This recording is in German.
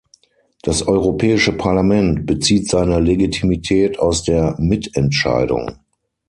Das Europäische Parlament bezieht seine Legitimität aus der Mitentscheidung.